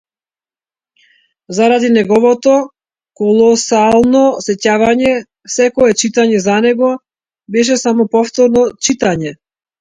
Заради неговото колосално сеќавање, секое читање за него беше само повторно читање.